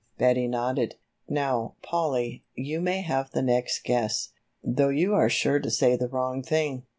Betty nodded. "Now, Polly, you may have the next guess, though you are sure to say the wrong thing.